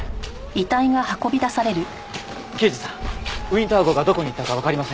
刑事さんウィンター号がどこに行ったかわかりませんか？